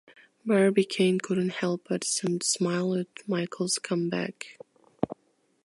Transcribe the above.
Barbicane couldn’t help but smile at Michel’s comeback.